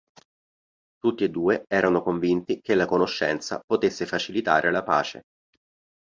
Tutti e due erano convinti che la conoscenza potesse facilitare la pace.